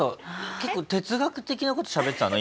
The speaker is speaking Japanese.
結構哲学的な事しゃべってたの？